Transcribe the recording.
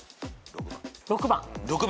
６番。